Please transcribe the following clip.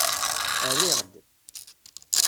Rriɣ-d.